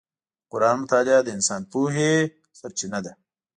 د قرآن مطالعه د انسان د پوهې سرچینه ده.